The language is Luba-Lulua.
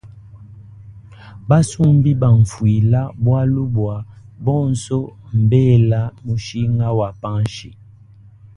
Basumbi mbafwila bwalubwa bonso mbela mushinga wa panshi.